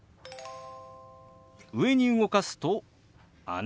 上に動かすと「姉」。